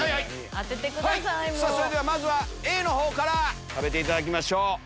それではまずはＡの方から食べていただきましょう。